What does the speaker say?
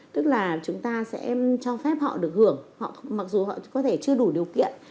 tức là chúng ta sẽ cho phép họ được hưởng mặc dù họ có thể chưa đủ điều kiện